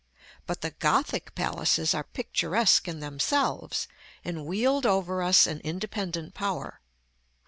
But the Gothic palaces are picturesque in themselves, and wield over us an independent power.